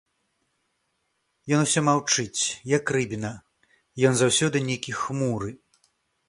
Ён усё маўчыць, як рыбіна, ён заўсёды нейкі хмуры.